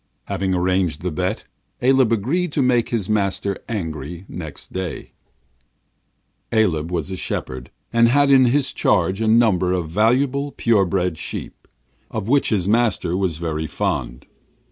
Having arranged this bet, Aleb agreed to make his master angry next morning. Aleb was a shepherd, and had in his charge a number of valuable, pure bred sheep, of which his master was very fond.